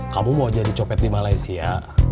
kamu mau jadi copet di malaysia